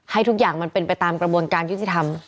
ให้ทุกอย่างมันเป็นไปตามกระบวนการยุติธรรม